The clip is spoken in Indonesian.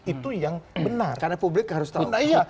itu yang benar karena publik harus tahu